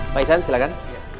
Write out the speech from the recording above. pak isan silahkan